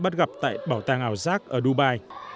tại bảo tàng ảo giác ở dubai